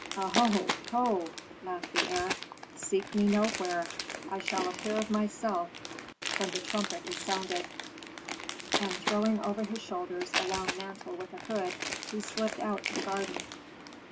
"Oho! ho!" laughed the heir. "Seek me nowhere. I shall appear of myself when the trumpet is sounded." And throwing over his shoulders a long mantle with a hood, he slipped out to the garden.